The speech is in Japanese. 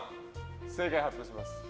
正解発表します。